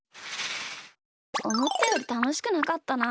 おもったよりたのしくなかったな。